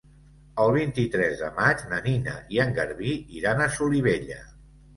El vint-i-tres de maig na Nina i en Garbí iran a Solivella.